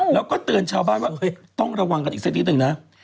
แล้วก็เตือนชาวบ้านว่าต้องระวังกันอีกสักนิดนึงนะ